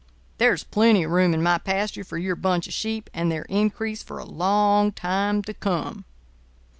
There's plenty of room in my pasture for your bunch of sheep and their increase for a long time to come.